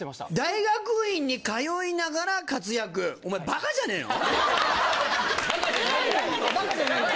大学院に通いながら活躍バカじゃないです